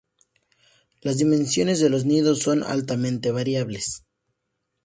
Las dimensiones de los nidos son altamente variables.